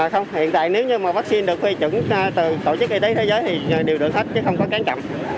hiện tại nếu vaccine được quy trụng từ tổ chức y tế thế giới thì đều được hết chứ không có cán chậm